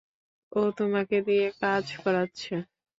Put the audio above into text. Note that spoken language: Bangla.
ও তোমাকে দিয়ে কাজ করাচ্ছে।